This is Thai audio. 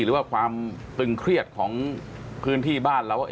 หรือว่าความตึงเครียดของพื้นที่บ้านเราว่า